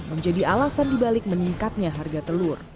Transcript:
menjadi alasan dibalik meningkatnya harga telur